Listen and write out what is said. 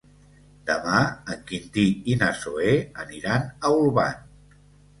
Demà en Quintí i na Zoè aniran a Olvan.